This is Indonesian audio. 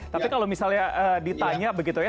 tapi kalau misalnya ditanya begitu ya